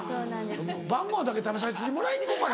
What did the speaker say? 晩ごはんだけ食べさせてもらいに行こうかな。